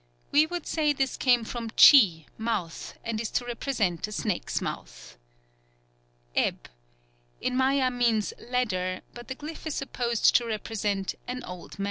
We would say this came from chi, "mouth," and is to represent a snake's mouth. 9th. Eb. In Maya means "ladder," but the glyph is supposed to represent "an old man."